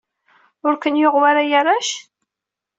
Ur ken-yuɣ wara a arrac?